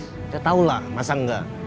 saya tau lah masa enggak